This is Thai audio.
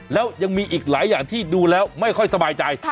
แล้วยังมีอีกหลายอย่างที่ดูแล้วไม่ค่อยสบายใจ